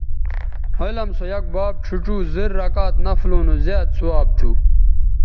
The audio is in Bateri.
علم سویک باب ڇھیڇوزررکعت نفلوں نو زیات ثواب تھو